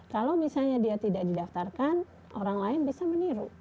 kalau misalnya dia tidak didaftarkan orang lain bisa meniru